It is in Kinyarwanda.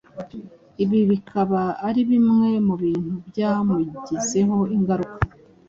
Ibi bikaba ari bimwe mu bintu byamugizeho ingaruka